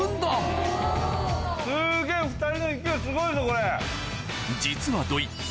２人の勢いすごいぞこれ。